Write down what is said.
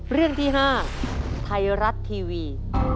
เรื่องที่๕ไทยรัฐทีวี